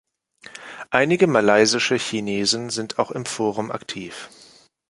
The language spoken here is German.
Einige malaysische Chinesen sind auch im Forum aktiv.